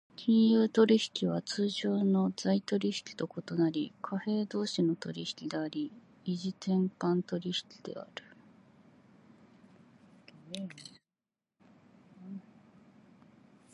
金融取引は通常の財取引と異なり、貨幣同士の取引であり、異時点間取引である。